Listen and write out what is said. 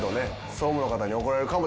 総務の方に怒られるかも。